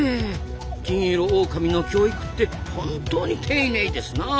キンイロオオカミの教育って本当に丁寧ですな。